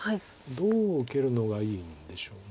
どう受けるのがいいんでしょう。